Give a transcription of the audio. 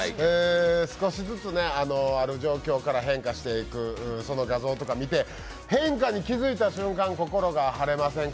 少しずつ、ある状況から変化していくその画像とかを見て変化に気づいた瞬間、心が晴れませんか？